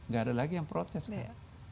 gak ada lagi yang protes kan